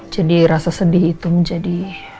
jadi rasa sedih itu menjadi